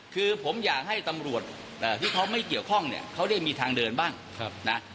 คือผมอยากให้ตำรวจที่เขาไม่เกี่ยวข้องเนี่ยเขาได้มีทางเดินบ้างนะ